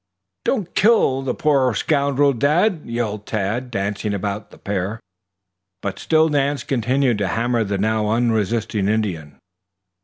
"Don't kill the poor scoundrel, Dad!" yelled Tad, dancing about the pair. But still Nance continued to hammer the now unresisting Indian.